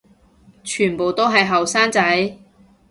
全部都係後生仔